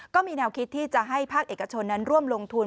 ก็มีแนวคิดที่จะให้ภาคเอกชนนั้นร่วมลงทุน